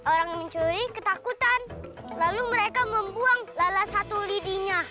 orang yang mencuri ketakutan lalu mereka membuang lala satu lidinya